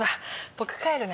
僕帰るね。